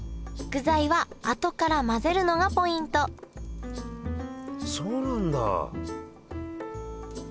具材はあとから混ぜるのがポイントそうなんだ。